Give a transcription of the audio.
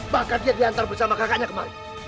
bahkan dia diantar bersama kakaknya kemarin